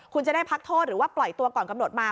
คุณจะได้พักโทษหรือว่าปล่อยตัวก่อนกำหนดมา